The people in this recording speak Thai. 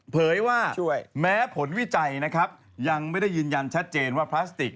เผยว่าแม้ผลวิจัยนะครับยังไม่ได้ยืนยันชัดเจนว่าพลาสติก